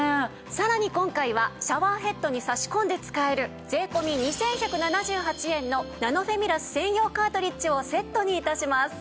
さらに今回はシャワーヘッドに差し込んで使える税込２１７８円のナノフェミラス専用カートリッジをセットに致します。